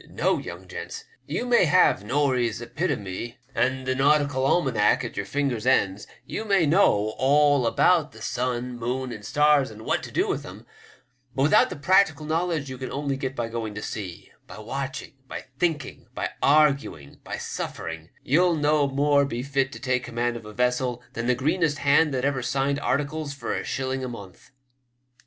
No, young gents! you may have 'Norie's Epitome ' and the ' Nautical Almanac ' at your fingers' ends; you may know all about the sun, moon, and stars, and what to do with them, but without the practical knowledge you can only get by going to sea, by watching, by thinking, by arguing, by suffering, you'll no more be fit to take command of a vessel than the greenest hand that ever signed articles for a shilling a month."